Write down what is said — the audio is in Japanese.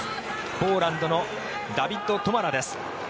ポーランドのダビッド・トマラです。